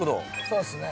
そうっすね。